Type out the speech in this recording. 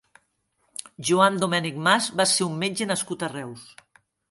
Joan Domènech Mas va ser un metge nascut a Reus.